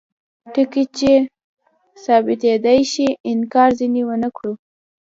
ټکي چې ثابتیدای شي انکار ځینې ونکړو.